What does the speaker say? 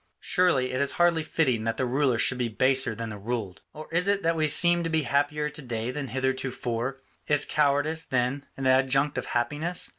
Surely it is hardly fitting that the ruler should be baser than the ruled. Or is it that we seem to be happier to day than heretofore? Is cowardice, then, an adjunct of happiness?